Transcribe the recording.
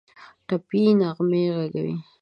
ټپي نغمې ږغوي